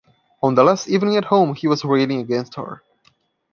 On the last evening at home he was railing against her.